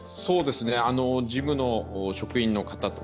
事務の職員の方とか